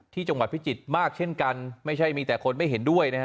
ที่จังหวัดพิจิตรมากเช่นกันไม่ใช่มีแต่คนไม่เห็นด้วยนะฮะ